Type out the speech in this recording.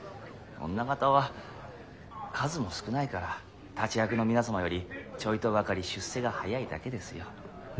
女形は数も少ないから立役の皆様よりちょいとばかり出世が早いだけですよ。